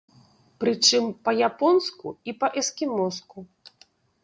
Прычым, па-японску і па-эскімоску.